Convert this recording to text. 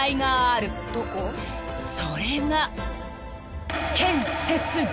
［それが］